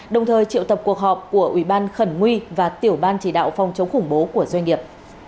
đồng thời triệu tập cuộc họp của ủy ban khẩn nguy và tiểu ban chỉ đạo phòng chống khủng bố của doanh nghiệp